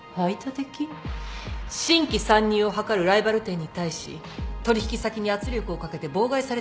新規参入をはかるライバル店に対し取引先に圧力をかけて妨害されてるようですが。